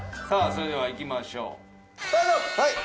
それではいきましょうスタートはい